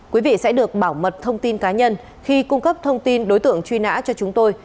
quý vị sẽ được bảo mật thông tin cá nhân khi cung cấp thông tin đối tượng truy nã cho chúng tôi